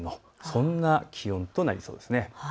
そんな気温となりそうですね。